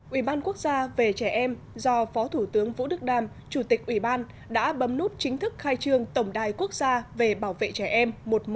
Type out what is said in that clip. ủy ban quốc gia về trẻ em do phó thủ tướng vũ đức đam chủ tịch ủy ban đã bấm nút chính thức khai trương tổng đài quốc gia về bảo vệ trẻ em một trăm một mươi một